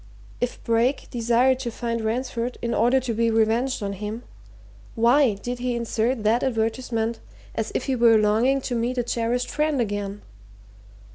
If Brake desired to find Ransford in order to be revenged on him, why did he insert that advertisement, as if he were longing to meet a cherished friend again?